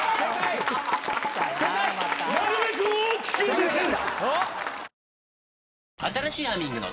なるべく大きく見せる。